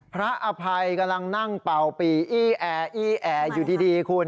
พระอภัยกำลังนั่งเป่าปีอี้อแอร์อี้แออยู่ดีคุณ